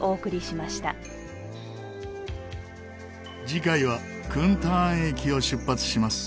次回はクンターン駅を出発します。